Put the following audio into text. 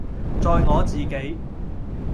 在我自己，